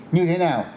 như thế nào